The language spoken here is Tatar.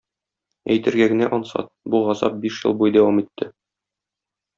Әйтергә генә ансат: бу газап биш ел буе дәвам итте.